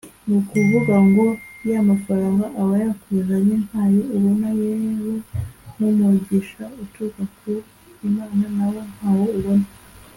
nukuvuga ngo y’amafaranga aba yakuzanye ntayo ubona yewe n’umugisha uturuka ku Imana nawo ntawo ubona”